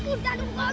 tolong jangan lupus